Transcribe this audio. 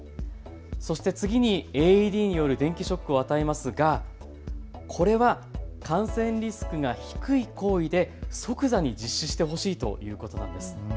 そして次にＡＥＤによる電気ショックを与えますがこれは感染リスクが低い行為で即座に実施してほしいということなんです。